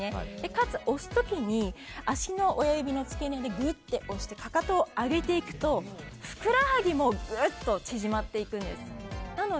かつ押す時に脚の親指の付け根でぐっと押してかかとを上げていくとふくらはぎもグッと縮まっていくんです。